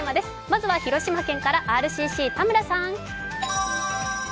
まずは広島県からＲＣＣ・田村さん。